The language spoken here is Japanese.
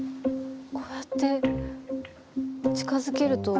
こうやって近づけると。